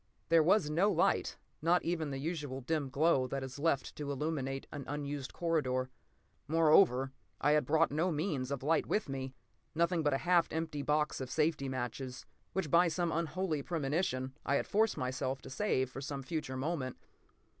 There was no light, not even the usual dim glow that is left to illuminate an unused corridor. Moreover, I had brought no means of light with me—nothing but a half empty box of safety matches which, by some unholy premonition, I had forced myself to save for some future moment.